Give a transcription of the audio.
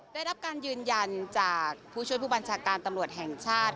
ได้รับการยืนยันจากผู้ช่วยผู้บัญชาการตำรวจแห่งชาติ